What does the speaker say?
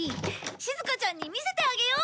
しずかちゃんに見せてあげよう！